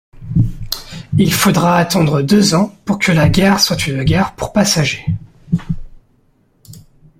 Il faudra attendre deux ans pour que la gare soit une gare pour passagers.